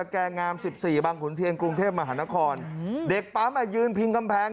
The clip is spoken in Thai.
กูนเทพหวานฆลหน้าคอร์นเด็กปำม่มันยืนพิงกำแพง